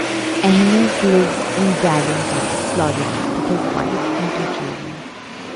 Ehnes lives in Bradenton, Florida with his wife and two children.